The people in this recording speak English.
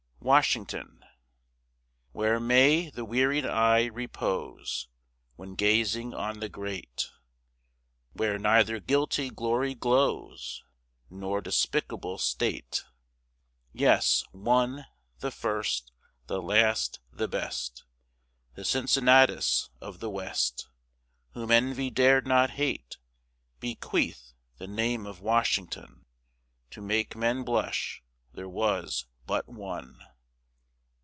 WASHINGTON Where may the wearied eye repose When gazing on the Great; Where neither guilty glory glows, Nor despicable state? Yes one the first the last the best The Cincinnatus of the West, Whom envy dared not hate, Bequeath the name of Washington, To make men blush there was but one!